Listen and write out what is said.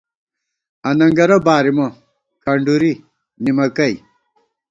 اننگَرَہ بارِمہ/ کھنڈُری (نِمَکَئ)